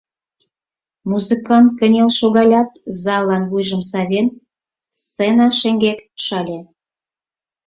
Музыкант кынел шогалят, заллан вуйжым савен, сцена шеҥгек шыле.